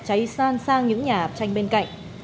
cháy san sang những nhà tranh bên cạnh